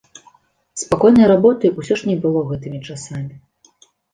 Спакойнай работы ўсё ж не было гэтымі часамі.